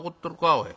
おい。